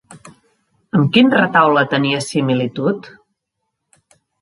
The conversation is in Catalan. Amb quin retaule tenia similitud?